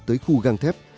tới khu găng thép